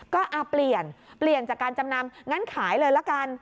ก็เปลี่ยนเปลี่ยนจากการจำนำงั้นขายเลยละกัน